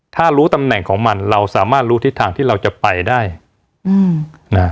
ถ้ารู้ตำแหน่งของมันเราสามารถรู้ทิศทางที่เราจะไปได้อืมนะ